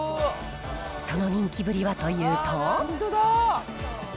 その人気ぶりはというと。